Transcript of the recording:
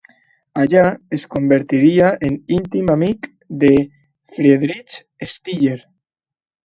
Allà es convertiria en íntim amic de Friedrich Schiller.